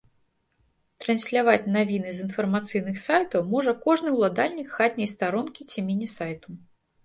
Трансьляваць навіны з інфармацыйных сайтаў можа кожны ўладальнік хатняй старонкі ці міні-сайту.